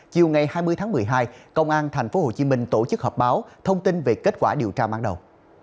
chiều ngày hai mươi tháng một mươi hai công an thành phố hồ chí minh tổ chức họp báo thông tin về kết quả điều tra mang đầu